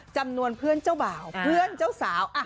จำนวนเพื่อนเจ้าบ่าวเพื่อนเจ้าสาว